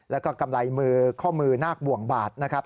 แล้วก็กำไรมือข้อมือนาคบ่วงบาดนะครับ